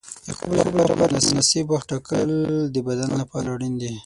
د خوب لپاره مناسب وخت ټاکل د بدن لپاره اړین دي.